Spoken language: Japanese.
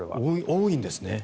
多いんですね。